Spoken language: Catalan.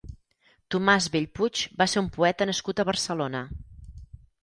Tomàs Bellpuig va ser un poeta nascut a Barcelona.